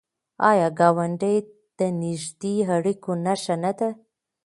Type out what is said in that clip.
آیا ګاونډی د نږدې اړیکو نښه نه ده؟